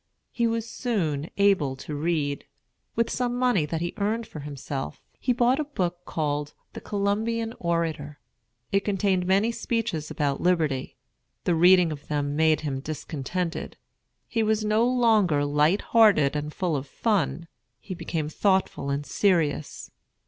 He was soon able to read. With some money that he earned for himself, he bought a book called "The Columbian Orator." It contained many speeches about liberty. The reading of them made him discontented. He was no longer light hearted and full of fun. He became thoughtful and serious.